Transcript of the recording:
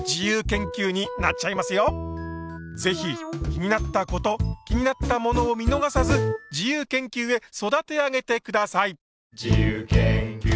ぜひ「気になったこと」「気になったモノ」を見のがさず自由研究へ育て上げてください！